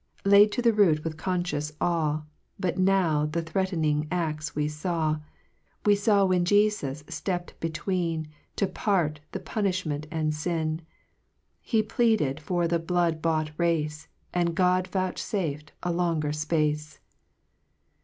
3 Laid to the root with confeious awe, But now the threafning axe we faw, We faw when Jesus ftept between, To part the punifliment and fin. He pleaded for the blood bought race, And God vouchfaf'd a longer fpacc